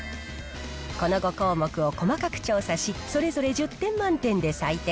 この５項目を細かく調査し、それぞれ１０点満点で採点。